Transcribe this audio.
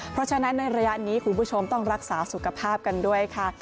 เพราะฉะนั้นในระยะนี้คุณผู้ชมต้องรักษาสุขภาพกันด้วยค่ะ